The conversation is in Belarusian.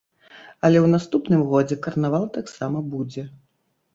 Але ў наступным годзе карнавал таксама будзе.